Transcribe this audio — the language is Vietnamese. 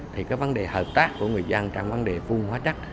thì cái vấn đề hợp tác của người dân trong vấn đề phun hóa chất